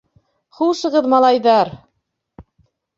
— Хушығыҙ, малайҙар!